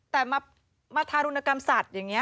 แต่มาทารุณกรรมสัตว์อย่างนี้